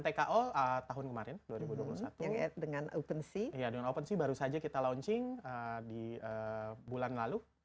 tko tahun kemarin dua ribu dua puluh satu dengan open sea dengan open sea baru saja kita launching di bulan lalu